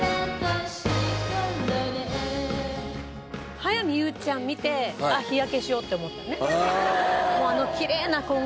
早見優ちゃん見て日焼けしようって思ったね。